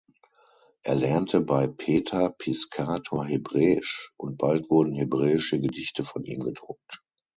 Er lernte bei Peter Piscator Hebräisch, und bald wurden hebräische Gedichte von ihm gedruckt.